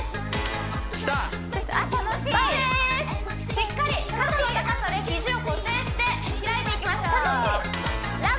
しっかり肩の高さで肘を固定して開いていきましょう楽しい！